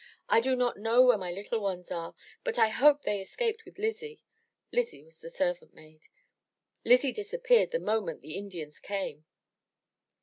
"I do not know where my little ones are, but I hope they escaped with Lizzie.'' (Lizzie was the servant maid.) "Lizzie disappeared the moment the Indians came."